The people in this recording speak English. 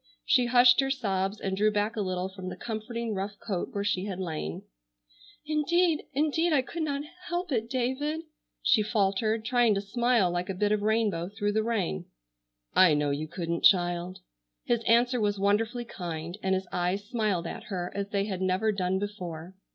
She hushed her sobs and drew back a little from the comforting rough coat where she had lain. "Indeed, indeed, I could not help it, David,"—she faltered, trying to smile like a bit of rainbow through the rain. "I know you couldn't, child." His answer was wonderfully kind and his eyes smiled at her as they had never done before.